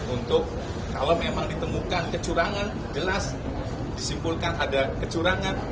untuk kalau memang ditemukan kecurangan jelas disimpulkan ada kecurangan